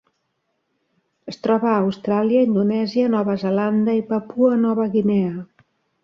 Es troba a Austràlia, Indonèsia, Nova Zelanda i Papua Nova Guinea.